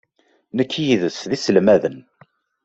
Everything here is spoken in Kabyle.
Nekk yid-s d iselmaden.